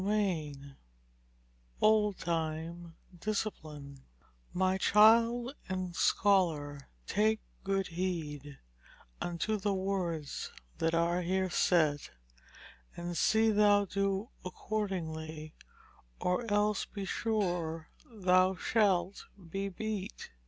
CHAPTER X OLDTIME DISCIPLINE _My child and scholar take good heed unto the words that here are set, And see thou do accordingly or else be sure thou shalt be beat.